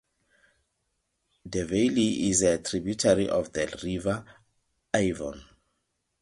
The Wylye is a tributary of the River Avon.